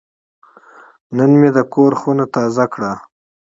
نن مې د کور خونه تازه کړه.